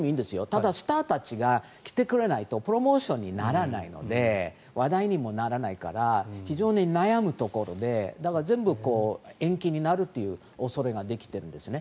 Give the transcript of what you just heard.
ただスターたちが来てくれないとプロモーションにならないので話題にもならないから非常に悩むところで全部、延期になるという恐れができているんですね。